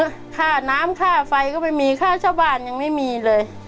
ข้ามมือข้าน้ำข้าวไฟก็ไม่มีข้าวเช่าบ้านยังไม่มีเลย